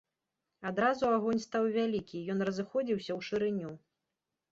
Адразу агонь стаў вялікі, ён разыходзіўся ў шырыню.